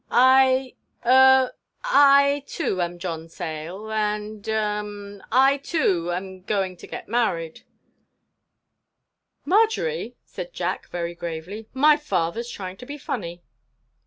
Er—I, too, am John Sayle—and—um—I, too, am going to get married." "Marjory," said Jack, very gravely, "my father's trying to be funny."